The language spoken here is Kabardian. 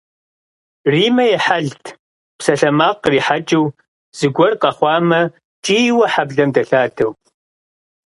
Риммэ и хьэлт псалъэмакъ кърихьэкӏыу, зыгуэр къэхъуамэ кӏийуэ хьэблэм дэлъадэу.